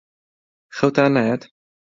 خەوتان نایەت؟